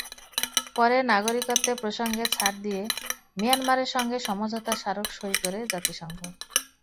পরে নাগরিকত্বের প্রসঙ্গে ছাড় দিয়ে মিয়ানমারের সঙ্গে সমঝোতা স্মারক সই করে জাতিসংঘ।